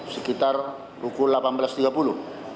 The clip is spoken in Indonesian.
sekitar pukul delapan belas tiga puluh